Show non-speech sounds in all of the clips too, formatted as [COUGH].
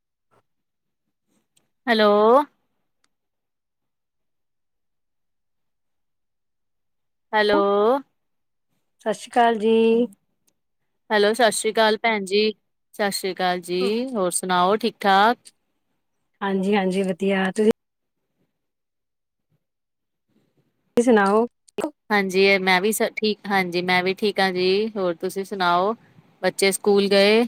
[UNINTELLIGIBLE] Hello hello ਸਤਿ ਸ਼੍ਰੀ ਅਕਾਲ ਜੀ ਹੈਲੋ ਸਤਿ ਸ਼੍ਰੀ ਅਕਾਲ ਭੈਣਜੀ ਸਤਿ ਸ਼੍ਰੀ ਅਕਾਲ ਜੀ ਹੋਰ ਸੁਣਾਓ ਠੀਕ ਠਾਕ ਹਾਂਜੀ ਹਾਂਜੀ ਵਧੀਆ ਤੁਸੀਂ ਤੁਸੀ ਸੁਣਾਓ ਹਾਂਜੀ ਮੈਂ ਵੀ ਠੀਕ ਹਾਂਜੀ ਮੈਂ ਵੀ ਠੀਕ ਹਾਂ ਜੀ ਹੋਰ ਤੁਸੀਂ ਸੁਣਾਓ ਬੱਚੇ ਸਕੂਲ ਗਏ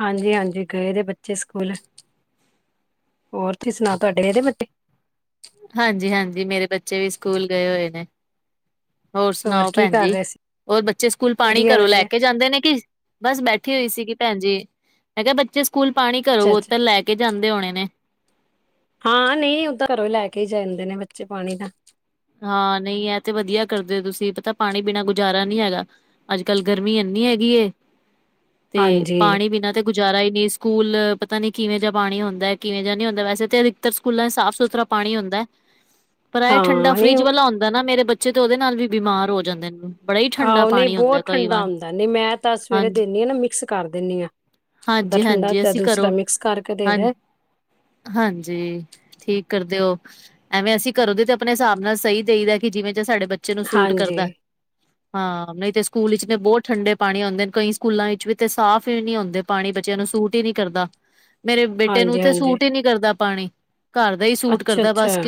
ਹਾਂਜੀ ਹਾਂਜੀ ਗਏ ਦੇ ਬੱਚੇ ਸਕੂਲ ਹੋਰ ਤੁਸੀਂ ਸੁਣਾ ਤੁਹਾਡੇ ਇਹਦੇ ਬੱਚੇ ਹਾਂਜੀ ਹਾਂਜੀ ਮੇਰੇ ਬੱਚੇ ਵੀ ਸਕੂਲ ਗਏ ਹੋਏ ਨੇ ਹੋਰ ਸੁਣਾਓ ਕੀ ਭੈਣ ਕਰ ਜੀ ਰਹੇ ਸੀ? ਹੋਰ ਬੱਚੇ ਸਕੂਲ ਪਾਣੀ ਵਧੀਆ ਘਰੋਂ ਲੈ ਵਧੀਆ ਕੇ ਜਾਂਦੇ ਨੇ ਕਿ ਬਸ ਬੈਠੀ ਹੋਈ ਸੀਗੀ ਭੈਣ ਜੀ ਮੈਂ ਕਿਹਾ ਬੱਚੇ ਸਕੂਲ ਪਾਣੀ ਘਰੋ ਅੱਛਾ ਅੱਛਾ ਬੋਤਲ ਲੈ ਕੇ ਜਾਂਦੇ ਹੋਣੇ ਨੇ ਹਾਂ ਨਹੀਂ ਉਹ ਤਾਂ ਘਰੋਂ ਲੈ ਕੇ ਹੀ ਜਾਂਦੇ ਨੇ ਬੱਚੇ ਪਾਣੀ ਦਾ ਹਾਂ ਨਹੀਂ ਹੈ ਤੇ ਵਧੀਆ ਕਰਦੇ ਹੋ ਤੁਸੀਂ ਪਤਾ ਪਾਣੀ ਬਿਣਾ ਗੁਜ਼ਾਰਾ ਨਹੀਂ ਹੈਗਾ ਅੱਜ ਕੱਲ ਗਰਮੀ ਇੰਨੀ ਹੈਗੀ ਤੇ ਹਾਂਜੀ ਪਾਣੀ ਬਿਨਾਂ ਤੇ ਗੁਜ਼ਾਰਾ ਹੀ ਨਹੀਂ ਸਕੂਲ ਪਤਾ ਨੀ ਕਿਵੇਂ ਜਾ ਪਾਣੀ ਹੁੰਦਾ ਕਿਵੇਂ ਦਾ ਨੀ ਹੁੰਦਾ ਵੈਸੇ ਸਕੂਲਾਂ ਸਾਫ ਸੁਥਰਾ ਪਾਣੀ ਹੁੰਦਾ ਹੈ ਪਰ ਇਹ ਹਾਂ ਠੰਡਾ ਨਹੀਂ ਫਰਿਜ਼ ਵਾਲਾ ਹੁੰਦਾ ਨਾ ਮੇਰੇ ਬੱਚੇ ਤੇ ਉਹਦੇ ਨਾਲ ਵੀ ਬਿਮਾਰ ਹੋ ਜਾਂਦੇ ਨੇ ਬੜਾ ਹੀ ਠੰਡਾ ਆਹੋ ਨਹੀਂ ਪਾਣੀ ਹੁੰਦਾ ਬਹੁਤ ਕਈ ਠੰਡਾ ਵਾਰ ਹਉਂਦਾ ਨਹੀਂ ਮੈਂ ਤਾਂ ਸਵੇਰੇ ਹਾਂਜੀ ਦਿੰਦੀ ਹਾਂ ਨਾ ਮਿਕਸ ਕਰ ਦਿੰਦੀ ਹਾਂ ੱਧਾ ਹਾਂਜੀ ਹਾਂਜੀ ਠੰਡਾ ਅਸੀਂ ਘਰੋਂ ਦੂਸਰਾ ਮਿਕਸ ਕਰਕੇ ਦੇ ਹਾਂ ਦੇ ਹਾਂਜੀ ਠੀਕ ਕਰਦੇ ਹੋ ਐਵੇਂ ਅਸੀਂ ਕਰੋ ਦੇ ਤੇ ਆਪਣੇ ਹਿਸਾਬ ਨਾਲ ਸਹੀ ਦੇਈ ਦਾ ਕਿ ਜਿਵੇਂ ਜ ਸਾਡੇ ਬੱਚੇ ਬੱਚੇ ਨੂੰ ਸੂਟ ਹਾਂਜੀ ਕਰਦਾ ਹਾਂ ਨਹੀਂ ਤੇ ਸਕੂਲ ਵਿੱਚ ਨੇ ਬਹੁਤ ਠੰਡੇ ਪਾਣੀ ਆਉਂਦੇ ਨੇ ਕਈ ਸਕੂਲਾਂ ਵਿੱਚ ਵੀ ਤੇ ਸਾਫ਼ ਹੀ ਨੀ ਆਉਦੇ, ਪਾਣੀ ਬੱਚਿਆਂ ਨੂੰ ਸੂਟ ਹੀ ਨਹੀਂ ਕਰਦਾ। ਮੇਰੇ ਬੇਟੇ ਨੂੰ ਹਾਂਜੀ ਤੇ ਹਾਂਜੀ ਸੂਟ ਹੀ ਨੀ ਕਰਦਾ, ਪਾਣੀ ਘਰ ਦਾ ਹੀ ਸੂਟ ਅੱਛਾ ਕਰਦਾ ਅੱਛਾ ਬਸ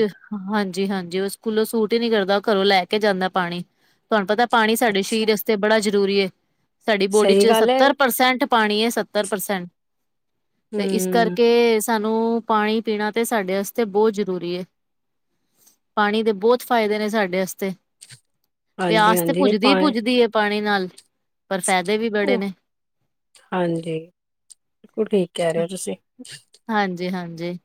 ਹਾਂਜੀ-ਹਾਂਜੀ, ਉਹ ਸਕੂਲੋਂ ਸੂਟ ਹੀ ਨਹੀਂ ਕਰਦਾ ਘਰੋਂ ਲੈ ਕੇ ਜਾਂਦਾ ਪਾਣੀ। ਤੁਹਾਨੂੰ ਪਤਾ ਪਾਣੀ ਸਾਡੇ ਅੱਛਾ ਸਰੀਰਤੇ ਬੜਾ ਜ਼ਰੂਰੀ ਐ। ਸਾਡੀ ਬੋਡੀ ਸਹੀ ਚ ਗੱਲ ਹੈ ਸੱਤਰ ਪ੍ਰਸੈਂਟ ਪਾਣੀ ਹੈ, ਸੱਤਰ ਪ੍ਰਸੈਂਟ ਤੇ ਇਸ ਹਮ ਕਰਕੇ ਤੇ ਸਾਨੂੰ ਪਾਣੀ-ਪੀਣਾ ਤੇ ਸਾਡੇ ਵਾਸਤੇ ਬਹੁਤ ਜ਼ਰੂਰੀਂ। ਪਾਣੀ ਦੇ ਬਹੁਤ ਫਾਇਦੇ ਨੇ ਸਾਡੇ ਵਤੇ ਪਿਆਸ ਤੇ ਹਾਂਜੀ-ਹਾਂਜੀ ਨੀ ਪੁੱਜਦੀ ਪਾਏ ਪੁੱਜਦੀ ਹੈ ਪਾਣੀ ਨਾਲ ਪਰ ਫਾਇਦੇ ਵੀ ਬੜੇ ਉਹ ਨੇ ਹਾਂਜੀ ਬਿਲਕੁਲ ਠੀਕ ਕਹਿ ਰਹੇ ਹੋ ਤੁਸੀਂ ਹਾਂਜੀ-ਹਾਂਜੀ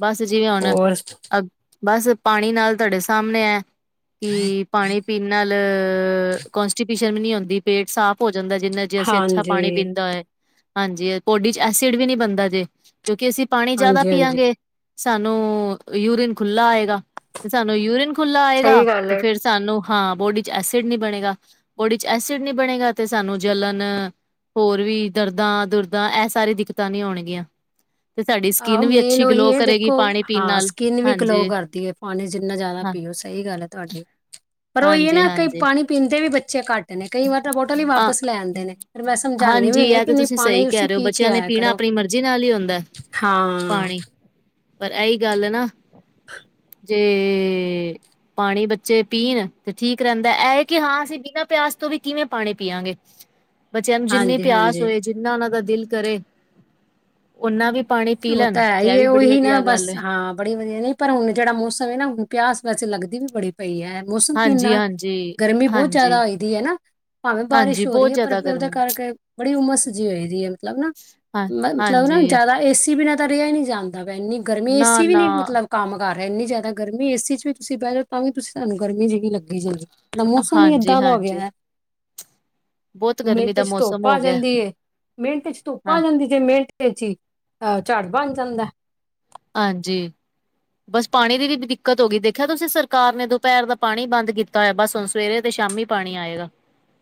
ਬਸ ਜਿਵੇਂ ਹੁਣ ਹੋਰ ਅ ਬਸ ਪਾਣੀ ਨਾਲ ਤੁਹਾਡੇ ਸਾਹਮਣੇ ਹੈ ਕਿ, ਪਾਣੀ ਪੀਣ ਨਾਲ ਕੋਂਸਟੀਵਿਸਨ ਵੀ ਨੀ ਹੁੰਦੀ ਪੇਟ ਸਾਫ਼ ਹੋ ਜਾਂਦਾ, ਜਿੰਨਾ ਜੇ ਅਸੀਂ ਅੱਛਾ ਪਾਣੀ ਹਾਂਜੀ, ਪੀਂਦਾ ਹੈ। ਹਾਂਜੀ, ਪੋਡੀ ਚ ਐਸਿਡ ਵੀ ਨਹੀਂ ਬਣਦਾ ਜੇ, ਕਿਉਂਕਿ ਅਸੀਂ ਪਾਣੀ ਜ਼ਿਆਦਾ ਪੀਆ ਹਾਂਜੀ-ਹਾਂਜੀ ਗੇ। ਸਾਨੂੰ ਯੂਰੀਨ ਖੁੱਲ੍ਹਾ ਆਏਗਾ, ਤੇ ਸਾਨੂੰ ਯੂਰੀਨ ਖੁਲਾ ਆਏਗਾ, ਸਹੀ ਗੱਲ ਤੇ ਹੈ। ਫੇਰ ਸਾਨੂੰ ਹਾਂ ਬੋਡੀ ਚ ਐਸਿਡ ਨੀ ਬਣੇਗਾ, ਬੋਡੀ ਚ ਐਸਿਡ ਨੀ ਬਣੇਗਾ, ਤੇ ਸਾਨੂੰ ਜਲਣ ਹੋਰ ਵੀ ਦਰਦਾਂ-ਦੁਰਦਾਂ ਇਹ ਸਾਰੀ ਦਿੱਕਤਾਂ ਨੀ ਆਣਗੀਆਂ। ਤੇ ਸਾਡੀ ਆਹੋ ਸਕਿੰਨ ਵੀ ਮੇਨ ਅੱਛੀ ਉਹੀ ਗਲੋ ਹੈ ਕਰੇਗੀ, ਦੇਖੋ ਪਾਣੀ-ਪੀਣ ਹਾਂ ਨਾਲ ਸਕਿੰਨ ਵੀ ਗਲੋ ਹਾਂਜੀ। ਕਰਦੀ ਹੈ ਪਾਣੀ ਜਿੰਨਾ ਜ਼ਿਆਦਾ ਹਾਂ ਪੀਓ, ਸਹੀ ਗੱਲ ਹੈ ਤੁਹਾਡੀ ਪਰ ਉਹੀ ਹੈ, ਹਾਂਜੀ ਨਾ ਕਿ ਹਾਂਜੀ ਪਾਣੀ ਪੀਂਦੇ ਵੀ ਬੱਚੇ ਘੱਟ ਨੇ ਕਈ ਵਾਰ ਤਾਂ ਬੋਟਲ ਹੀ ਅ ਵਾਪਸ ਲੈ ਆਂਦੇ ਨੇ, ਫਿਰ ਮੈਂ ਸਮਝਾਉਂਦੀ ਵੀ ਹਾਂਜੀ ਹੁੰਦੀ ਹਾਂ, ਇਹ ਕੀ ਨਹੀਂ ਪਾਣੀ ਤੁਸੀਂ ਪੀ ਕੇ ਆਇਆ ਕਰੋ। ਜਿਨਾ ਨਾਲ ਹੀ ਹੁੰਦਾ, ਹਾਂ ਪਾਣੀ ਪਰ ਇਹੀ ਗੱਲ ਨਾ, ਜੇ ਪਾਣੀ ਬੱਚੇ ਪੀਣ ਤੇ ਠੀਕ ਰਹਿੰਦਾ, ਇਹ ਕਿ ਹਾਂ ਅਸੀਂ ਬਿਨਾਂ ਪਿਆਸ ਤੋਂ ਵੀ ਕਿਵੇਂ ਪਾਣੀ ਪੀਆਗੇ, ਬੱਚਿਆਂ ਨੂੰ ਜਿੰਨੀ ਪਿਆਸ ਹਾਂਜੀ-ਹਾਂਜੀ ਹੋਏ, ਜਿੰਨਾ ਉਹਨਾਂ ਦਾ ਦਿਲ ਕਰੇ। ਓਨਾ ਵੀ ਪਾਣੀ, ਪੀ ਉਹ ਲੈਣ ਤਾਂ ਹੈ ਤੇ ਇਹ ਹੀ, ਵੀ ਬੜੀ ਉਹੀ ਨਾ ਵਧੀਆ ਗੱਲ ਬਸ ਹੈ ਹਾਂ ਬੜੀ ਵਧੀਆ ਨੇ, ਪਰ ਹੁਣ ਜਿਹੜਾ ਮੌਸਮ ਹੈ, ਨਾ ਹੁਣ ਪਿਆਸ ਵੈਸੇ ਲੱਗਦੀ ਵੀ ਬੜੀ ਪਈ ਹੈ, ਮੌਸਮ ਹਾਂਜੀ ਇੰਨਾ ਹਾਂਜੀ ਗਰਮੀ ਬਹੁਤ ਹਾਂਜੀ ਜ਼ਿਆਦਾ ਹੋਈ ਦੀ ਹੈ ਨਾ ਭਾਵੇਂ ਹਾਂਜੀ ਬਾਰਿਸ਼ ਹੋ ਬਹੁਤ ਰਹੀ ਹੈ ਪਰ ਜ਼ਿਆਦਾ ਉਹਦੇ ਗਰਮੀ ਕਰਕੇ ਬੜੀ ਉਮਰ ਜੀ ਹੋਈ ਦੀ ਹੈ, ਮਤਲਬ ਨਾ ਹਾਂ ਮ ਮਤਲਬ, ਨਾ ਹਾਂਜੀ ਜ਼ਿਆਦਾ ਏਸੀ ਬਿਨਾਂ ਤਾਂ ਰਿਹਾ ਹੀ ਨਹੀਂ ਜਾਦਾ ਪਿਆ, ਇੰਨੀ ਗਰਮੀ ਏਸੀ ਵੀ ਨਹੀਂ ਨਾ-ਨਾ, ਮਤਲਬ ਕੰਮ ਕਰ ਰਿਹਾ, ਇੰਨੀ ਜ਼ਿਆਦਾ ਗਰਮੀ ਏਸੀ ਚ ਵੀ ਤੁਸੀਂ ਬਹਿ ਜਾਓ, ਤਾਂ ਵੀ ਤੁਸੀਂ ਸਾਨੂੰ ਗਰਮੀ ਜਿਹੀ ਲੱਗੀ ਜਾਂਦੀ। ਮੌਸਮ ਹੀ ਏਦਾਂ ਦਾ ਹੋ ਗਿਆ ਹਾਂਜੀ-ਹਾਂਜੀ, ਹੈ। ਬਹੁਤ ਗਰਮੀ ਮਿੰਟ ਦਾ ਚ ਮੌਸਮ ਧੁੱਪ ਹੋ ਆ ਗਿਆ ਜਾਂਦੀ ਏ ਮਿੰਟ ਚ ਧੁੱਪ ਹਾਂ। ਆ ਜਾਂਦੀ ਜੇ ਮਿੰਟ ਚ ਹੀ, ਅਹ ਝੜ ਬਣ ਜਾਂਦਾ ਐ। ਹਾਂਜੀ, ਬਸ ਪਾਣੀ ਦੀ ਵੀ ਦਿੱਕਤ ਹੋ ਗਈ ਦੇਖਿਆ, ਤੁਸੀਂ ਸਰਕਾਰ ਨੇ ਦੁਪਹਿਰ ਦਾ ਪਾਣੀ ਬੰਦ ਕੀਤਾ। ਇਆ ਬਸ ਹੁਣ ਸਵੇਰੇ ਤੇ ਸ਼ਾਮੀ ਪਾਣੀ ਆਏਗਾ।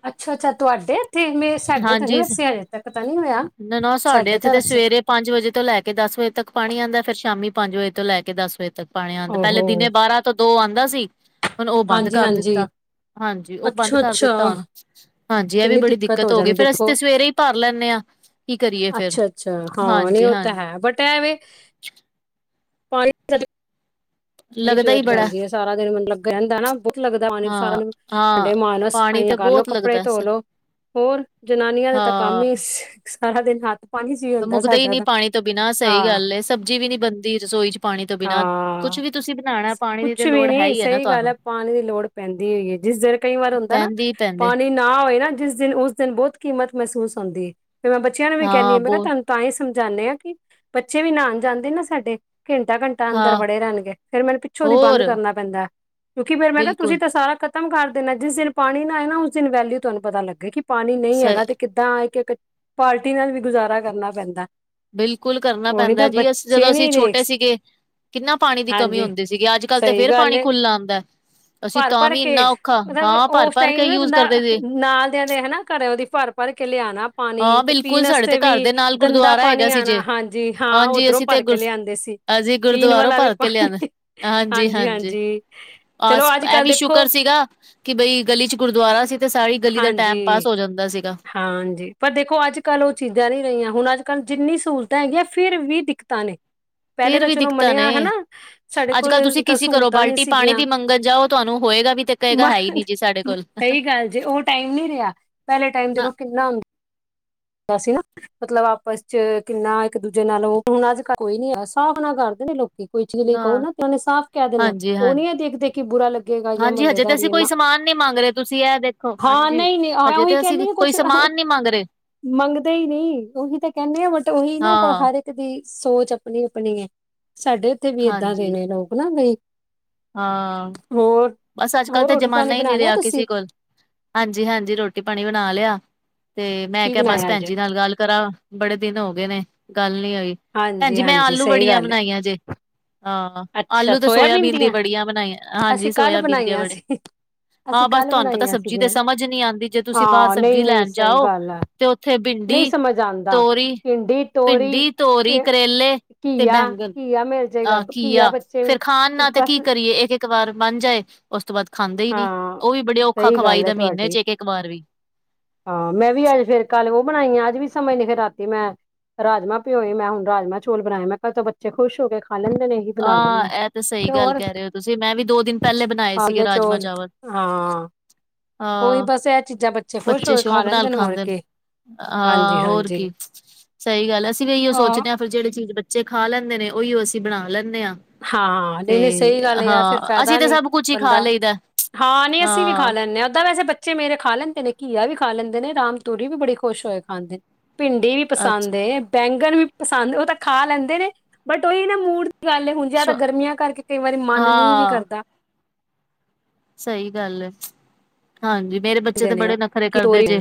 ਅੱਛਾ-ਅੱਛਾ, ਤੁਹਾਡੇ ਤੇ ਮੇ ਸਾਡੇ ਤਾਂ ਨੀ ਹਾਂਜੀ ਵੈਸੇ ਅਜੇ ਤੱਕ ਤਾਂ ਨਹੀਂ ਹੋਇਆ। ਨਾ-ਨਾ ਸਾਡੇ ਇੱਥੇ ਤਾਂ ਤੇ ਵੈਸੇ ਸਵੇਰੇ ਪੰਜ-ਵਜੇ ਤੋਂ ਲੈ ਕੇ ਦਸ-ਵਜੇ ਤੱਕ ਪਾਣੀ ਆਉਂਦਾ, ਫੇਰ ਸ਼ਾਮੀ ਪੰਜ-ਵਜੇ ਤੋਂ ਲੈ ਕੇ ਦਸ-ਵਜੇ ਤੱਕ ਪਾਣੇ ਆਦੇ ਪਹਿਲੇ ਦਿਨੇ ਓਹੋ ਬਾਰਾਂ ਤੋਂ ਦੋ ਆਉਂਦਾ ਸੀ। ਹੁਣ ਉਹ ਬੰਦ ਹਾਂਜੀ ਕਰ ਹਾਂਜੀ ਦਿੱਤਾ, ਹਾਂਜੀ ਉਹ ਬੰਦ ਅੱਛਾ ਕਰ ਅੱਛਾ ਦਿੱਤਾ, ਉਹਨੂੰ ਹਾਂਜੀ, ਇਹ ਵੀ ਬੜੀ ਦਿੱਕਤ ਹੋ ਗਈ, ਫੇਰ ਅਸੀਂ ਤੇ ਸਵੇਰੇ ਹੀ ਭਰ ਲੈਂਦੇ ਹਾਂ। ਅੱਛਾ-ਅੱਛਾ, ਹਾਂ ਨਹੀਂ ਉਹ ਤਾਂ ਹਾਂਜੀ-ਹਾਂਜੀ ਹੈ ਬਟ ਐਵੇਂ [UNINTELLIGIBLE] ਲੱਗਦਾ ਹੀ ਜ਼ੂਰਤ ਬੜਾ ਪੈਂਦੀ ਹੈ, ਸਾਰਾ ਦਿਨ ਮਤਲਬ ਰਹਿੰਦਾ ਨਾ ਬਹੁਤ ਲੱਗਦਾ, ਪਾਣੀ ਹਾਂ ਸਾਰਾ ਦਾ ਹਾਂ ਸਾਡੇ ਮਾਨ ਨਾਲ ਪਾਣੀ ਤੇ ਸਫਾਈਆਂ ਕਰਲੋ ਬਹੁਤ ਕੱਪੜੇ ਲੱਗਦਾ ਧੋ ਸ- ਲਓ, ਹੋਰ ਜਨਾਨੀਆਂ ਦੇ ਤਾਂ ਕੰਮ ਹੀ ਸਾਰਾ ਦਿਨ ਹੱਥ ਪਾਣੀ ਚ ਹੀ ਹੁੰਦਾ ਮੁਕਦੇ ਹੀ ਸਾਡਾ ਨੀ ਤਾਂ ਪਾਣੀ ਤੋਂ ਬਿਨਾਂ ਸਹੀ ਹਾਂ ਗੱਲ ਏ, ਸਬਜ਼ੀ ਵੀ ਨੀ ਬਣਦੀ ਰਸੋਈ ਚ' ਪਾਣੀ ਤੋਂ ਬਿਨਾਂ ਹਾਂ ਕੁਛ ਵੀ ਤੁਸੀਂ ਬਣਾਉਣਾ ਪਾਣੀ ਦੀ ਕੁਛ ਤੇ ਵੀ ਲੋੜ ਹੈ ਨੀ ਹੀ ਨਾ ਸਹੀ ਗੱਲ ਹੈ, ਤੁਹਾਨੂੰ ਪਾਣੀ ਦੀ ਲੋੜ ਪੈਂਦੀ ਹੋ ਹੈ, ਜਿਸ ਦੇਰ ਕਈ ਵਾਰ ਹੁੰਦਾ ਨਾ ਪੈਂਦੀ ਹੀ ਪੈਂਦੇ ਪਾਣੀ ਨਾ ਹੋਏ ਨਾ, ਜਿਸ ਦਿਨ ਉਸ ਦਿਨ ਬਹੁਤ ਕੀਮਤ ਮਹਿਸੂਸ ਹੁੰਦੀ ਹੈ, ਫੇਰ ਮੈਂ ਬੱਚਿਆਂ ਨੂੰ ਵੀ ਕਹਿੰਦੀ ਹਾਂ, ਮੈਂ ਕਿਹਾ ਤੁਹਾਨੂੰ ਤਾਂ ਹੀ ਸਮਝਾਉਦੇ ਆ ਕਿ, ਬੱਚੇ ਵੀ ਨਉਣ ਜਾਂਦੇ ਨਾ ਸਾਡੇ ਘੰਟਾ-ਘੰਟਾ ਅੰਦਰ ਹਾਂ ਵੜੇ ਰਹਿਣਗੇ ਫਿਰ ਮੈਨੂੰ ਪਿੱਛੋਂ ਦੀ ਬੰਦ ਹੋਰ ਕਰਨਾ ਪੈਂਦਾ ਕਿਉਂਕਿ ਫਿਰ ਮੈਂ ਕਿਹਾ ਤੁਸੀਂ ਬਿਲਕੁਲ ਤਾਂ ਸਾਰਾ ਖ਼ਤਮ ਕਰ ਦੇਣਾ ਜਿਸ ਦਿਨ ਪਾਣੀ ਨਾ ਆਏ ਨਾ ਉਸ ਦਿਨ ਵੈਲਿਊ ਤੁਹਾਨੂੰ ਪਤਾ ਲੱਗੇ ਕਿ ਪਾਣੀ ਨਹੀਂ ਸਹੀ ਹੈਗਾ ਤੇ ਕਿ ਤਾਂ ਇੱਕ-ਇੱਕ ਪਾਲਟੀ ਨਾਲ ਵੀ ਗੁਜ਼ਾਰਾ ਕਰਨਾ ਪੈਂਦਾ ਬਿਲਕੁਲ ਕਰਨਾ ਉਹੀ ਪੈਂਦਾ ਤਾਂ ਜੀ ਅਸੀਂ ਜਦੋਂ ਬੱਚੇ ਅਸੀਂ ਨੀ ਦੇਖ ਛੋਟੇ ਸੀਗੇ ਕਿੰਨਾ ਪਾਣੀ ਦੀ ਕਮੀ ਹਾਂਜੀ ਹੁੰਦੀ ਸੀਗੀ ਅੱਜ ਕੱਲ ਤੇ ਸਹੀ ਫਿਰ ਗੱਲ ਪਾਣੀ ਏ ਖੁੱਲਾ ਆਉਂਦਾ ਅਸੀਂ ਤਾਂ ਭਰ-ਭਰ ਵੀ ਕੇ ਇੰਨਾ ਔਖਾ ਮਤਲਬ ਹਾਂ ਭਰ ਉਸ ਭਰ ਕੇ ਟਾਈਮ ਯੂਜ ਬੰਦਾ ਕਰਦੇ ਸੀ ਨਾਲ ਦਿਆਂ ਦੇ ਹਨਾ ਘਰ ਉਹਦੀ ਭਰ ਭਰ ਕੇ ਲਿਆਉਣਾ, ਪਾਣੀ ਹਾਂ ਤੇ ਬਿਲਕੁਲ ਪੀਣ ਸਾਡੇ ਤੇ ਵਾਤੇ ਘਰ ਵੀ ਦੇ ਨਾਲ ਗੰਦਾ ਗੁਰਦੁਆਰਾ ਪਾਣੀ ਹੈਗਾ ਨਹੀਂ ਸੀ ਆਉਣਾ, ਜੇ ਹਾਂਜੀ ਹਾਂ ਹਾਂਜੀ ਉੱਧਰੋਂ ਅਸੀਂ ਤੇ ਭਰ ਕੇ ਗੁਰ ਲਿਆਂਦੇ ਸੀ, ਅਸੀਂ ਪੀਣ ਗੁਰਦੁਆਰੋਂ ਵਾਲਾ ਵੀ ਭਰ ਕੇ ਲਿਆਂਦੇ ਪਾਣੀ ਹਾਂਜੀ-ਹਾਂਜੀ, ਚਲੋ ਆਸ ਇਹ ਅੱਜ-ਕੱਲ ਵੀ ਦੇਖੋ ਸ਼ੁਕਰ ਸੀਗਾ ਕਿ ਬਈ ਗਲੀ ਚ' ਗੁਰਦੁਆਰਾ ਸੀ। ਤੇ ਸਾਰੀ ਗਲੀ ਦਾ ਟੈਮ ਪਾਸ ਹਾਂਜੀ। ਹੋ ਜਾਂਦਾ ਸੀਗਾ। ਹਾਂਜੀ ਪਰ ਦੇਖੋ ਅੱਜ ਕੱਲ ਉਹ ਚੀਜ਼ਾਂ ਨੀ ਰਹੀਆਂ ਹੁਣ ਅੱਜ ਕੱਲ ਜਿੰਨੀ ਸਹੂਲਤਾਂ ਹੈਗੀਆਂ ਫਿਰ ਵੀ ਦਿੱਕਤਾਂ ਨੇ ਪਹਿਲੇ ਫੇਰ ਤਾਂ ਵੀ ਚਲੋ ਦਿੱਕਤਾਂ ਨੇ ਮੰਨਿਆ ਹਨਾ ਸਾਡੇ ਅੱਜ ਕੋਲ ਕੱਲ੍ਹ ਤੁਸੀਂ ਤਾਂ ਕਿਸੇ ਘਰੋਂ ਸਹੂਲਤਾਂ ਨੀ ਬਾਲਟੀ ਪਾਣੀ ਸੀਗੀਆਂ ਦੀ ਮੰਗਣ ਜਾਓ ਤੁਹਾਨੂੰ ਹੋਏਗਾ ਵੀ ਤੇ ਕਹੇਗਾ ਹੈ ਹੀ ਨੀ ਜੀ ਸਾਡੇ ਕੋਲ ਸਹੀ ਗੱਲ ਜੇ ਉਹ ਟਾਈਮ ਨੀ ਰਿਹਾ ਪਹਿਲੇ ਟਾਈਮ ਨਾ ਦੇਖੋ ਕਿੰਨਾ [UNINTELLIGIBLE] ਮਤਲਬ ਆਪਸ ਚ' ਕਿੰਨਾ ਇੱਕ ਦੂਜੇ ਨਾਲ ਉਹ ਹੁਣ ਅੱਜ ਕੱਲ ਕੋਈ ਨੀ ਹੈ ਸਾਫ ਨਾਲ ਕਰਦੇ ਨੇ ਲੋਕ ਕਿ ਕੋਈ ਚੀਜ਼ ਲਈ ਕਹੋ ਨਾ ਉਹਨਾਂ ਨੇ ਸਾਫ਼ ਕਹਿ ਦੇਣਾ ਉਹ ਨੀ ਹਾਂਜੀ-ਹਾਂਜੀ ਹਾਂਜੀ ਆ ਦੇਖ ਦੇਖ ਕਿ ਬੁਰਾ ਲੱਗੇਗਾ ਜਾਂ ਹਾਂਜੀ ਹਜੇ ਤੇ ਮਹੱਲੇਦਾਰੀ ਅਸੀਂ ਐ ਕੋਈ ਸਮਾਨ ਨੀ ਮੰਗ ਰਹੇ ਤੁਸੀਂ ਇਹ ਦੇਖੋ' ਹਾਂਜੀ ਨਹੀਂ ਮੈਂ ਹਜੇ ਉਹੀ ਤੇ ਅਸੀਂ ਕਹਿੰਦੀ ਹਾਂ ਕੋਈ ਕੁਛ ਸਮਾਨ ਨੀ ਮੰਗ ਰਹੇ ਮੰਗਦੇ ਹੀ ਨਹੀਂ ਉਹੀ ਤਾਂ ਕਹਿੰਦੇ ਆ ਬਟ ਉਹੀ ਨਾ ਪਰ ਹ ਹਾਂ ਹਰ ਇੱਕ ਦੀ ਸੋਚ ਆਪਣੀ-ਆਪਣੀ ਹੈ ਸਾਡੇ ਉੱਥੇ ਵੀ ਏਦਾਂ ਹਾਂਜੀ ਦੇਣੇ ਲੋਕ ਨਾ ਬਈ ਹਾਂ ਹੋਰ ਬਸ ਅੱਜ ਕੱਲ ਹੋਰ ਤਾਂ ਰੋਟੀ ਪਾਣੀ ਜ਼ਮਾਨਾ ਹੀ ਬਣਾ ਨਹੀਂ ਲਿਆ ਰਿਹਾ ਕਿਸੇ ਤੁਸੀਂ ਕੋਲ ਹਾਂਜੀ-ਹਾਂਜੀ ਰੋਟੀ ਪਾਣੀ ਬਣਾ ਲਿਆ। ਤੇ' ਮੈਂ ਕੀ ਕਿਹਾ ਬਸ ਬਣਾਇਆ ਭੈਣ ਅੱਜ ਜੀ ਨਾਲ ਗੱਲ ਕਰਾਂ ਬੜੇ ਦਿਨ ਹੋ ਗਏ ਨੇ ਗੱਲ ਨੀ ਹੋਈ ਭੈਣ ਹਾਂਜੀ ਜੀ ਮੈਂ ਹਾਂਜੀ ਆਲੂ ਸਹੀ ਬੜੀਆਂ ਗੱਲ ਹੈ ਬਣਾਈਆਂ ਜੇ ਹਾਂ ਅੱਛਾ ਆਲੂ ਤੇ ਸੋਇਆਬੀਨ ਦੀ ਦੀਆਂ ਬੜੀਆਂ ਬਣਾਈਆਂ ਹਾਂਜੀ ਅਸੀਂ ਕੱਲ ਸੋਇਆਬੀਨ ਦੀਆਂ ਬਣਾਈਆਂ ਬੜੇ ਸੀ ਅਸੀਂ ਹਾਂ ਬਸ ਕੱਲ ਤੁਹਾਨੂੰ ਪਤਾ ਬਣਾਈਆਂ ਸਬਜ਼ੀ ਸੀਗੀਆਂ ਤੇ ਸਮਝ ਨੀ ਆਉਂਦੀ ਜੇ ਤੁਸੀਂ ਬਾਹਰ ਹਾਂ ਨਹੀਂ ਸਬਜ਼ੀ ਨਹੀਂ ਲੈਣ ਸਹੀ ਜਾਓ ਗੱਲ ਹੈ ਤੇ ਉੱਥੇ ਨਹੀਂ ਭਿੰਡੀ, ਸਮਝ ਆਉਂਦਾ ਤੋਰੀ, ਭਿੰਡੀ ਤੋਰੀ ਭਿੰਡੀ, ਤੋਰੀ, ਫਿਰ ਕਰੇਲੇ ਤੇ' ਘੀਆ ਬੈਂਗਣ ਘੀਆ ਮਿਲ ਜਾਏਗਾ ਆਹ ਘੀਆ ਕੀਆ ਬੱਚੇ ਫਿਰ ਖਾਣ ਨਾਲ ਤੇ ਬਸ ਕੀ ਕਰੀ ਇੱਕ-ਇੱਕ ਵਾਰ ਬਨ ਜਾਏ ਉਸ ਤੋਂ ਬਾਅਦ ਖਾਂਦੇ ਹੀ ਨੀ ਹਾਂ ਉਹ ਵੀ ਬੜੇ ਔਖਾ ਸਹੀ ਖਵਾਈ ਗੱਲ ਹੈ ਦਾ ਮਹੀਨੇ ਚ' ਤੁਹਾਡੀ ਇੱਕ- ਇੱਕ ਵਾਰ ਵੀ ਹਾਂ ਮੈਂ ਵੀ ਅੱਜ ਫਿਰ ਕੱਲ ਉਹ ਬਣਾਈ ਆ ਅੱਜ ਵੀ ਸਮਝਦੇ ਫਿਰ ਰਾਤੀ ਮੈਂ ਰਾਜਮਾ ਪਿਓਏ ਮੈਂ ਹੁਣ ਰਾਜਮਾਂ ਚੌਲ ਬਣਾਏ ਮੈਂ ਘਰ ਤੋਂ ਬੱਚੇ ਖੁਸ਼ ਹੋ ਕੇ ਖਾ ਲੈਂਦੇ ਨੇ ਬਣਾ ਹਾਂ ਲੈਂਦੇ ਇਹ ਤਾਂ ਸਹੀ ਗੱਲ ਹੋਰ ਕਹਿ ਰਹੇ ਹੋ ਤੁਸੀਂ ਮੈਂ ਵੀ ਦੋ ਦਿਨ ਪਹਿਲੇ ਬਣਾਏ ਸੀਗੇ ਰਾਜਮਾਂ ਚੋਲ ਚਾਵਲ ਹਾਂ ਉਹੀ ਹਾਂ ਬਸ ਇਹ ਚੀਜ਼ਾਂ ਖੁਸ਼ ਹੋ ਬੱਚੇ ਕੇ ਖਾ ਸ਼ੌਕ ਨਾਲ ਲੈਂਦੇ ਹੋਰ ਖਾਂਦੇ ਨੇ ਕੀ ਹਾਂਜੀ ਹਾਂ ਹੋਰ ਹਾਂਜੀ ਕੀ ਸਹੀ ਗੱਲ ਅਸੀਂ ਵੀ ਇਹੀਓ ਸੋਚਦੇ ਹਾਂ- ਫਿਰ ਜਿਹੜੀ ਚੀਜ਼ ਬੱਚੇ ਖਾ ਲੈਂਦੇ ਨੇ ਉਹੀ ਅਸੀਂ ਬਣਾ ਲੈਂਦੇ ਹਾਂ ਹਾਂ ਨਹੀਂ ਨਹੀਂ ਤੇ' ਸਹੀ ਗੱਲ ਆ ਫਿਰ ਹਾਂ ਅਸੀਂ ਫਾਇਦਾ ਤਾਂ ਨੀ ਸਭ ਕੁਛ ਹੀ ਖਾ ਬੰਦਾ ਲਈ ਦਾ ਹਾਂ ਨਹੀਂ ਅਸੀਂ ਵੀ ਖਾ ਲੈਂਦੇ ਹਾਂ ਓਦਾਂ ਵੈਸੇ ਬੱਚੇ ਬੱਚੇ ਮੇਰੇ ਖਾ ਲੈਂਦੇ ਨੇ ਘੀਆ ਵੀ ਖਾ ਲੈਂਦੇ ਨੇ, ਰਾਮ ਤੂਰੀ ਵੀ ਬੜੀ ਖੁਸ਼ ਹੋਏ ਖਾਂਦੇ ਨੇ ਭਿੰਡੀ ਵੀ ਪਸੰਦ ਅੱਛਾ ਹੈ ਬੈਂਗਣ ਵੀ ਪਸੰਦ ਉਹ ਤਾਂ ਖਾ ਲੈਂਦੇ ਨੇ ਬਟ ਉਹੀ ਨਾ ਮੂਡ ਦੀ ਗੱਲ ਹੁੰਦੀ ਜਿਆਦਾ ਸ਼ੌ ਗਰਮੀਆਂ ਕਰਕੇ ਕਈ ਵਾਰੀ ਮਨ ਨਹੀਂ ਵੀ ਹਾਂ ਕਰਦਾ ਸਹੀ ਗੱਲ ਹੈ। ਹਾਂਜੀ ਮੇਰੇ ਬੱਚੇ ਹੁੰਦੇ ਤੇ ਨੇ ਉਹ ਬੜੇ ਨਖਰੇ ਕਿ ਕਰਦੇ ਤੋਰੀ ਜੇ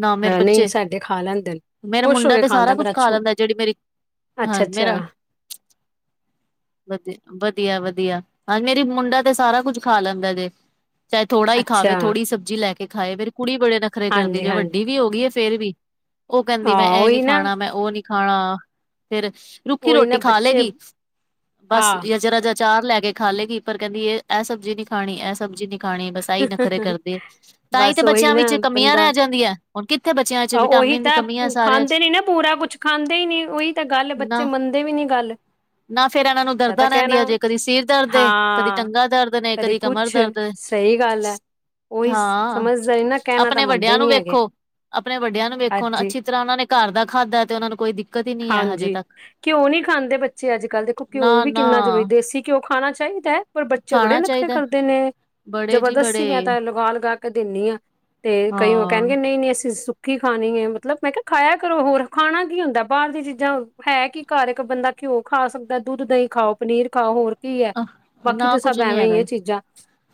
ਨਾ ਮੇਰੇ ਹਾਂ ਨਹੀਂ ਬੱਚੇ ਸਾਡੇ ਖਾ ਲੈਂਦੇ ਨੇ ਮੇਰੇ ਖੁਸ਼ ਹੋ ਮੁੰਡਾ ਤੇ ਸਾਰਾ ਕੁਝ ਖਾ ਲੈਂਦਾ ਜਿਹੜੀ ਮੇਰੀ ਹਾਂ ਅੱਛਾ-ਅੱਛਾ। ਮੇਰਾ ਵਧੀ ਵਧੀਆ-ਵਧੀਆ ਹਾਂ ਮੇਰੀ ਮੁੰਡਾ ਤੇ ਸਾਰਾ ਕੁਛ ਖਾ ਲੈਂਦਾ ਜੇ ਚਾਹੇ ਥੋੜਾ ਹੀ ਖਾਵੇ ਅੱਛਾ ਥੋੜ੍ਹਹੀ ਸਬਜ਼ੀ ਲੈ ਖਾਏੇ ਫ਼ਿਰ ਕੁੜੀ ਬੜੇ ਨਖਰੇ ਵੀ ਕਰਦੀ ਹਾਂਜੀ ਐ ਹਾਂਜੀ ਵੱਡੀ ਵੀ ਹੋ ਗਈ। ਫਿਰ ਵੀ ਉਹ ਕਹਿੰਦੀ ਮੈਂ ਹਾਂ ਇਹ ਨੀ ਉਹੀ ਨਾ ਖਾਣਾ ਮੈਂ ਉਹ ਨੀ ਖਾਣਾ ਫਿਰ ਰੁੱਖੀ ਉਹੀ ਰੋਟੀ ਨਾ ਖਾ ਬੱਚੇ ਲਏਗੀ ਆ ਬਸ ਜਾਂ ਅਚਾਰ ਲੈ ਕੇ ਖਾ ਲਏਗੀ। ਪਰ ਕਹਿੰਦੀ ਇਹ ਸਭ ਸਬਜ਼ੀ ਨੀ ਖਾਣੀ ਇਹ ਸਬਜ਼ੀ ਨੀ। ਖਾਣੇ ਬਸ ਆਹੀ ਤਾ ਨਖਰੇ ਕਰਦੇ ਤਾਂ ਹੀ ਤੇ ਬਸ ਉਹੀ ਬੱਚਿਆਂ ਨਾ ਵਿੱਚ ਕਮੀਆਂ ਬੰਦਾ ਰਹਿ ਜਾਂਦੀਆਂ ਹੁਣ ਕਿ? ਉਹੀ ਤਾਂ ਖਾਂਦੇ ਨੀ ਨਾ ਪੂਰਾ ਕੁਛ ਖਾਂਦੇ ਹੀ ਨੀ ਉਹੀ ਤਾਂ ਗੱਲ! ਬੱਚੇ ਨਾ ਮੰਨਦੇ ਵੀ ਨੀ ਗੱਲ। ਨਾ ਫ਼ਿਰ ਇਹਨਾਂ ਨੂੰ ਜਾਂ ਦਰਦਾਂ ਤਾਂ ਕਹਿਣਾ ਰਹਿੰਦੀਆਂ ਜੇ, ਕਦੀ ਸਿਰ ਦਰਦ, ਕਦੀ ਹਾਂ ਟੰਗਾ ਦਰਦ ਨੇ, ਕਦੇ ਕਦੀ ਕਮਰ ਕੁਛ ਦਰਦ। ਸਹੀ ਗੱਲ ਐ। ਹਾਂ, ਤਾਂ ਆਪਣੇ ਮੰਨਦੇ ਵੱਡਿਆਂ ਨੂੰ ਨੀ ਹੈਗੇ ਵੇਖੋ, ਆਪਣੇ ਵੱਡਿਆਂ ਨੂੰ ਵੇਖੋ ਨਾ, ਅੱਜ ਅੱਛੀ ਜਿਸ ਤਰ੍ਹਾਂ ਉਹਨਾ ਨੇ ਘਰ ਦਾ ਖਾਧਾ ਤੇ ਉਹਨਾਂ ਨੂੰ ਕੋਈ ਦਿੱਕਤ ਹੀ ਨਹੀਂ ਹੈ ਹਜੇ ਹਾਂਜੀ, ਤੱਕ। ਘਿਓ ਨਹੀਂ ਖਾਂਦੇ ਬੱਚੇ ਅੱਜ ਕੱਲ੍ਹ, ਦੇਖੋ ਨਾ ਘਿਓ ਵੀ ਨਾ ਕਿੰਨਾ ਜ਼ਰੂਰੀ ਦੇਸ਼ੀ ਘਿਓ। ਘਿਓ ਖਾਣਾ ਚਾਹੀਦਾ ਐ ਪਰ ਬੱਚੇ ਬੜੇ ਖਾਣਾ ਨੱਖਰੇ ਚਾਹੀਦਾ। ਕਰਦੇ ਨੇ, ਬੜੇ ਜੀ ਜਬਰਦਸਤੀ ਬੜੇ ਮੈਂ ਤਾਂ ਲਗਾ-ਲਗਾ ਕੇ ਦੇਂਦੀ ਆ ਤੇ ਕਈ ਉਹ ਕਹਿਣਗੇ ਹਾਂ ਨਈ-ਨਈ ਅਸੀਂ ਸੁੱਕੀ ਖੀ ਖਾਣੀ ਏ ਮਤਲਬ ਮੈਂ ਕਿਹਾ ਖਾਇਆ ਕਰੋ, ਹੋਰ ਖਾਣਾ ਕੀ ਹੁੰਦਾ? ਬਾਹਰ ਦੀਆਂ ਚੀਜ਼ਾਂ, ਹੈ ਕੀ ਘਰ? ਇੱਕ ਬੰਦਾ ਘਿਓ ਖਾ ਸਕਦਾ, ਦੁੱਧ, ਦਹੀਂ ਖਾਓ, ਪਨੀਰ ਖਾਓ ਹੋਰ। ਕੀ ਏ, ਬਾਕੀ ਨਾ ਤਾਂ ਕੁੱਝ ਸਭ ਨੀ ਐਵੇਂ ਹੈਗਾ। ਹੀ ਐ ਚੀਜ਼ਾਂ।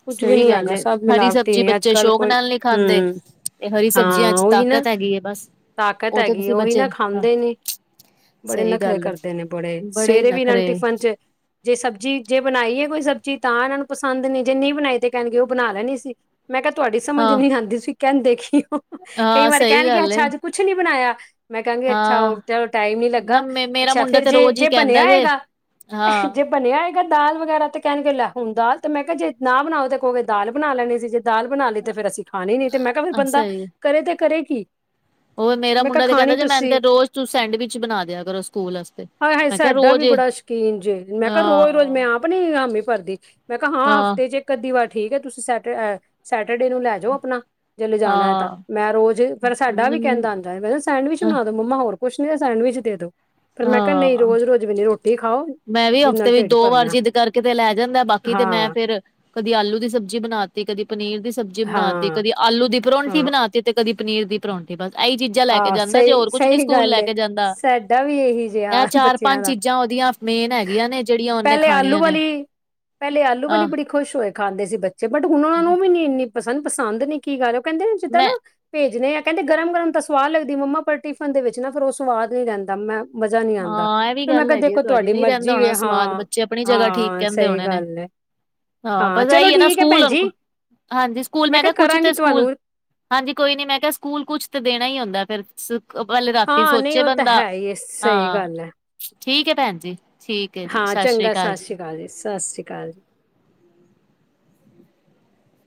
ਕੁੱਝ ਵੀ ਸਹੀ ਨੀ ਗੱਲ ਹੈਗਾ, ਏ ਸਭ ਹਰੀ ਮਿਲਾਵਟੀ ਸਬਜ਼ੀ ਨੇ ਬੱਚੇ ਅੱਜ-ਕੱਲ ਸ਼ੌਕ ਕੋਈ, ਨਾਲ ਨਹੀਂ ਖਾਂਦੇ। ਹਮ ਤੇ ਹਰੀ ਸਬਜ਼ੀਆਂ ਹਾਂ। ਚ ਉਹੀ ਨਾ, ਤਾਕਤ ਹੈਗੀ ਹੈ ਬਸ। ਤਾਕਤ ਉਹ ਤੇ ਹੈਗੀ, ਤੁਸੀਂ ਉਹੀ ਬੱਚੇ ਨਾ ਖਾਂਦੇ ਨਹੀ। ਬੜੇ ਸਹੀ ਨਖਰੇ ਗੱਲ ਕਰਦੇ ਨੇ ਬੜੇ, ਹੀ ਸਵੇਰੇ ਵੀ ਇਹਨਾਂ ਨੇ ਨਖਰੇ ਟਿਫਨ ਚ ਜੇ ਸਬਜ਼ੀ, ਜੇ ਬਣਾਈ ਐ ਕੋਈ ਸਬਜ਼ੀ ਤਾਂ ਇਹਨਾਂ ਨੂੰ ਪਸੰਦ ਨਹੀਂ, ਜੇ ਨਹੀਂ ਬਣਾਈ ਤੇ ਕਹਿਣਗੇ ਉਹ ਬਣਾ ਲੈਣੀ ਸੀ। ਮੈਂ ਕਿਹਾ ਤੁਹਾਡੀ ਸਮਝ ਹਾਂ ਨੀ ਆਂਦੀ ਸੀ ਕਹਿੰਦੇ ਕੀ ਹੋ? ਕਈ ਹਾਂ ਵਾਰ ਸਹੀ ਕਹਿਣਗੇ ਗੱਲ ਏ। ਅੱਛਾ ਅੱਜ ਕੁਛ ਨਹੀਂ ਬਣਾਇਆ। ਮੈਂ ਕਹਾਂਗੀ ਅੱਛਾ ਓ ਹਾਂ ਟਾਈਮ ਨੀ ਨਾ ਲੱਗਾ। ਮੇ ਮੇਰਾ ਅੱਛਾ, ਮੁੰਡਾ ਤੇ ਫ਼ਿਰਜੇ ਰੋਜ਼ ਹੀ ਜੇ ਕਹਿੰਦਾ ਬਣਿਆ ਜੇ ਹੈਗਾ ਹਾਂ ਬਣਿਆ ਹੈਗਾ ਦਾਲ ਵਗੈਰਾ ਤੇ ਕਹਿਣਗੇ ਲੈ ਹੁਣ ਦਾਲ, ਤੇ ਮੈਂ ਕਿਹਾ ਜੇ ਨਾ ਬਣਾਓ ਤੇ ਕਹੋਗੇ ਦਾਲ ਬਣਾ ਲੈਣੀ ਸੀ। ਦਾਲ ਬਣਾ ਲਈ ਤੇ ਫਿਰ ਅਸੀਂ ਖਾਣੀ ਨੀ, ਤੇ ਮੈਂ ਕਿਹਾ ਫਿਰ ਬੰਦਾ ਕਰੇ ਤੇ ਕਰੇ ਕੀ? ਹੋਰ ਮੇਰਾ ਮੈਂ ਕਿਹਾ ਮੁੰਡਾ ਤੇ ਖਾਣੀ ਕਹਿੰਦਾ ਮੈਨੂੰ ਤੁਸੀਂ ਤੇ ਰੋਜ਼ ਤੂਸੀਂ ਸੈਂਡਵਿਚ ਬਣਾ ਦਿਆ ਕਰੋ ਸਕੂਲ ਵਾਸਤੇ। ਆਏ-ਹਾਏ ਮੈਂ ਕਿਹਾ ਸਾਡਾ ਵੀ ਰੋਜ਼ ਬੜਾ ਸ਼ੌਕੀਨ ਜੇ, ਮੈਂ ਕਿਹਾ ਰੋਜ਼-ਰੋਜ਼ ਹਾਂ ਮੈਂ ਆਪ ਨੀ ਹਾਮੀ ਭਰਦੀ। ਮੈਂ ਕਿਹਾ ਹਾਂ ਹਫ਼ਤੇ ਚ ਇੱਕ ਅੱਧੀ ਵਾਰ ਠੀਕ ਐ। ਤੁਸੀਂ ਸੈਂਟਰ ਐ ਸੈਟਰਡੇ ਨੂੰ ਲੈ ਜਾਓ ਆਪਣਾ। ਜੇ ਲੇ ਜਾਣਾ ਹਾਂ ਤਾਂ, ਮੈਂ ਰੋਜ਼ ਫ਼ਿਰ ਸਾਡਾ ਵੀ ਕਹਿੰਦਾ ਆਂਦਾ ਸੈਂਡਵਿਚ ਬਣਾ ਦੋ ਮੰਮਾ ਹੋਰ। ਕੁਛ ਨੀ ਤਾਂ ਸੈਂਡਵਿਚ ਦੇ ਦੋ, ਪਰ ਮੈਂ ਕਿਹਾ ਨਹੀਂ ਹਾਂ ਰੋਜ਼-ਰੋਜ਼ ਵੀ ਨੀ ਰੋਟੀ ਖਾਓ। ਮੈਂ ਵੀ ਜਿਹਦੇ ਹਫ਼ਤੇ ਨਾਲ ਵਿੱਚ ਢਿੱਡ ਦੋ ਵਾਰ ਭਰਨਾ ਜਿੱਦ ਕਰਕੇ ਲੈ ਜਾਂਦਾ, ਬਾਕੀ ਤੇ ਮੈਂ ਹਾਂ ਫੇਰ ਕਦੀ ਆਲੂ ਦੀ ਸਬਜ਼ੀ ਬਨਾਤੀ। ਤੇ ਕਦੀ ਪਨੀਰ ਦੀ ਸਬਜ਼ੀ ਬਣਾ ਤੀ, ਹਾਂ ਕਦੀ ਆਲੂ ਦੀ ਪਰੋਂਠੀ ਹਾਂ ਬਣਾ ਤੀ, ਤੇ ਕਦੀ ਪਨੀਰ ਦੀ। ਪਰਾਠੇ ਬਸ, ਏਹੀ ਚੀਜ਼ਾਂ ਲੈ ਕੇ ਆਹ ਜਾਂਦਾ, ਜੇ ਸਹੀ ਹੋਰ ਕੁਛ ਨੀ ਸਹੀ ਸਕੂਲ ਗੱਲ ਲੈ ਏ ਕੇ ਜਾਂਦਾ। ਸਾਡਾ ਵੀ ਇਹੀ ਇਹ ਜਿਹਾ ਚਾਰ ਬੱਚਿਆਂ ਪੰਜ ਦਾ, ਚੀਜ਼ਾਂ ਉਹਦੀਆਂ ਮੇਨ ਹੈਗੀਆਂ ਨੇ ਜਿਹੜੀਆਂ ਉਹਨੇ ਪਹਿਲੇ ਆਲੂ ਖਾਣੀਆਂ ਨੇ ਵਾਲੀ। ਪਹਿਲੇ ਆਲੂ ਵਾਲੀ ਆਹ ਬੜੀ ਖੁਸ਼ ਹੋਏ ਖਾਂਦੇ ਸੀ ਬੱਚੇ ਬਟ ਹੁਣ ਉਹਨਾਂ ਨੂੰ ਵੀ ਨੀ ਇੰਨੀ ਪਸੰਦ, ਪਸੰਦ ਨੀ ਕੀ ਕਰ ਰਹੇ ਉਹ ਕਹਿੰਦੇ ਜਿੱਦਾ ਮੈਂ ਨਾ ਭੇਜਣੇ ਆ ਕਹਿੰਦੇ ਗਰਮ-ਗਰਮ ਤਾਂ ਸਵਾਦ ਲੱਗਦੀ ਮੰਮਾ ਪਰ ਟਿਫਨ ਦੇ ਵਿੱਚ ਨਾ ਫੇਰ ਉਹ ਸਵਾਦ ਨੀ ਰਹਿੰਦਾ ਮੈਂ ਮਜ਼ਾ ਨੀ ਆਂਦਾ ਹਾਂ, ਇਹ ਵੀ ਫਿਰ ਮੈਂ ਗੱਲ ਕਿਹਾ ਹੈਗੀ ਆ ਦੇਖੋ ਤੁਹਾਡੀ ਨਹੀਂ ਰਹਿੰਦਾ ਮਰਜ਼ੀ ਹੋਣਾ ਹੈ ਸਵਾਦ, ਹਾਂ ਬੱਚੇ ਆਪਣੀ ਜਗ੍ਹਾ ਠੀਕ ਹਾਂ ਕਹਿੰਦੇ ਸਹੀ ਹੋਣੇ ਨੇ। ਗੱਲ ਹੈ ਹਾਂ ਪਤਾ ਚਲੋ ਇਹੀ ਐ ਨਾ ਠੀਕ ਹੈ ਸਕੂਲ, ਭੈਣ ਜੀ ਹਾਂਜੀ ਸਕੂਲ ਮੈਂ ਕਿਹਾ ਕੁਛ ਤੇ ਸਕੂਲ ਹਾਂਜੀ ਕੋਈ ਨੀ, ਮੈਂ ਕਿਹਾ ਸਕੂਲ ਕੁਛ ਤਾਂ ਦੇਣਾ ਹੀ ਹੁੰਦਾ ਫ਼ਿਰ ਪਹਲੇ ਰਾਤੀ ਹਾਂ ਨਹੀਂ ਸੋਚੇ ਉਹ ਤਾਂ ਬੰਦਾ। ਹੈ ਹੀ ਹੈ, ਸਹੀ ਹਾਂ ਗੱਲ ਹੈ ਠੀਕ ਐ ਭੈਣ ਜੀ, ਠੀਕ ਐ ਜੀ, ਹਾਂ ਸਤਿ ਸ੍ਰੀ ਚੰਗਾ ਅਕਾਲ ਜੀ। ਸ਼੍ਰੀ ਸਤਿ ਸ਼੍ਰੀ ਅਕਾਲ ਜੀ